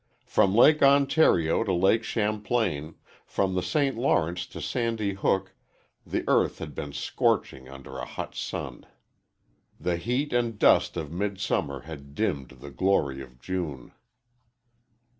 From Lake Ontario to Lake Champlain, from the St. Lawrence to Sandy Hook, the earth had been scorching under a hot sun. The heat and dust of midsummer had dimmed the glory of June.